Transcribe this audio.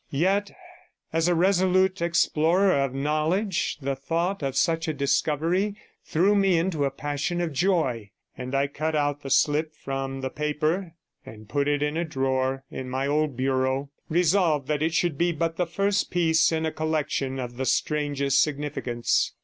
Yet as a resolute explorer of knowledge, the thought of such a discovery threw me into a passion of joy, and I cut out the slip from the paper and put it in a drawer in my old bureau, resolved that it should be but the first piece in a collection of the strangest significance.